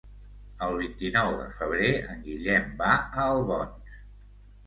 El vint-i-nou de febrer en Guillem va a Albons.